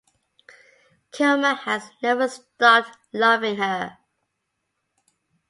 Kilmer has never stopped loving her.